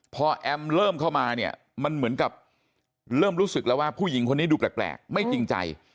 พอแอมเริ่มเข้ามาเนี่ยมันเหมือนกับเริ่มรู้สึกแล้วว่าผู้หญิงคนนี้ดูแปลกไม่จริงใจ